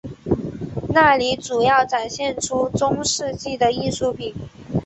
那里主要展出中世纪的艺术品。